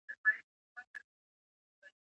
په نوزاد کي په اسحق زو کي عمرزي اکثريت دي.